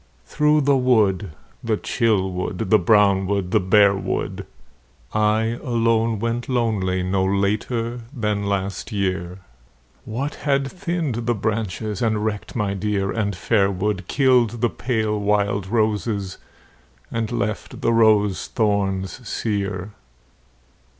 Through the wood, the chill wood, the brown wood, the bare wood, I alone went lonely no later than last year, What had thinned the branches, and wrecked my dear and fair wood, Killed the pale wild roses and left the rose thorns sere